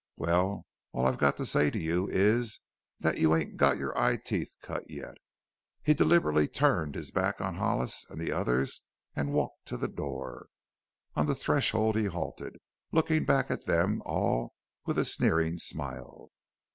"Well, all I've got to say to you is that you ain't got your eye teeth cut yet." He deliberately turned his back on Hollis and the others and walked to the door. On the threshold he halted, looking back at them all with a sneering smile.